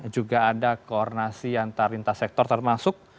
juga ada koordinasi antarintas sektor termasuk